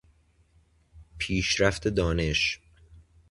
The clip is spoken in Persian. پیشرفت دانش